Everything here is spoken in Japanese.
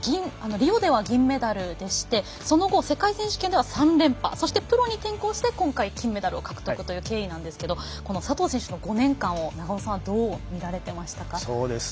リオでは銀メダルでしたがその後、世界選手権で３連覇プロに転向して今回、金メダルを獲得という経緯なんですけども佐藤選手の５年間、永尾さんどう見られていましたか？